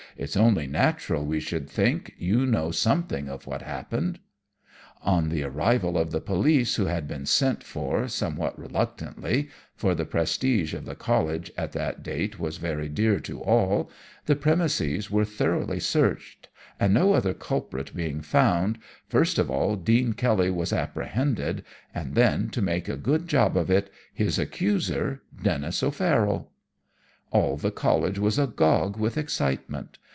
'It's only natural we should think you know something of what happened!' "On the arrival of the police who had been sent for somewhat reluctantly for the prestige of the College at that date was very dear to all the premises were thoroughly searched, and, no other culprit being found, first of all Dean Kelly was apprehended, and then, to make a good job of it, his accuser, Denis O'Farroll. "All the College was agog with excitement.